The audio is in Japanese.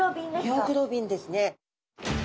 ミオグロビンですね。